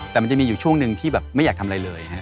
แต่มันจะมีอยู่ช่วงหนึ่งที่แบบไม่อยากทำอะไรเลย